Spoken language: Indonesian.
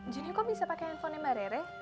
joni kok bisa pake handphonenya mbak rere